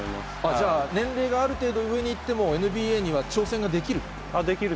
じゃあ、年齢がある程度上にいっても、ＮＢＡには挑戦ができる？